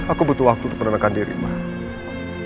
aku butuh waktu untuk menenangkan diri mbak